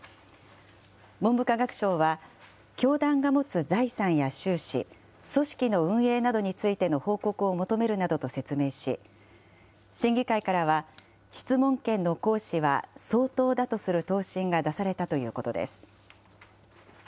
文部科学省は、教団が持つ財産や収支、組織の運営などについての報告を求めるなどと説明し、審議会からは、質問権の行使は相当だとする答申が出されたということです。